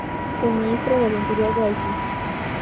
Fue ministro del Interior de Haití.